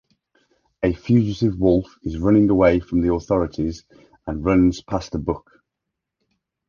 A fugitive wolf is running away from the authorities and runs past the book.